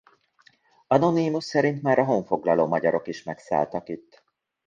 Anonymus szerint már a honfoglaló magyarok is megszálltak itt.